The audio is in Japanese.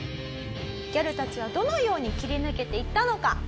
ギャルたちはどのように切り抜けていったのか？